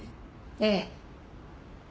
ええ。